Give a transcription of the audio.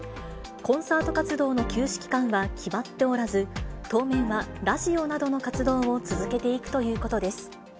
コンサート活動の休止期間は決まっておらず、当面はラジオなどの活動を続けていくということです。